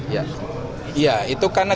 ya itu karena kita menolak